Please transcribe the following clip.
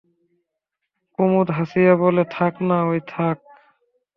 কুমুদ হাসিয়া বলে, থাক না, ওই থাক।